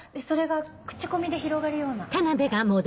それが口コミで広がるような。